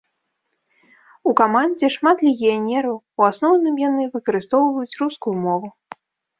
У камандзе шмат легіянераў, у асноўным яны выкарыстоўваюць рускую мову.